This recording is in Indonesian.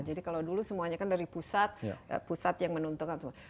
jadi kalau dulu semuanya kan dari pusat pusat yang menuntunkan semua